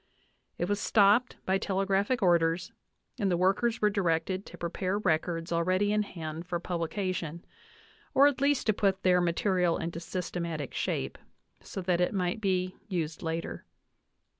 It was stopped by telegraphic orders, and the workers were directed to prepare records already in hand for publication, or at least to put their material into systematic shape, so that it might be used later.